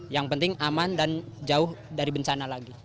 yang penting aman dan jauh dari bencana lagi